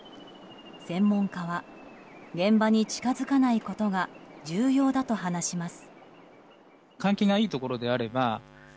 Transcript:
専門家は現場に近づかないことが重要だと話します。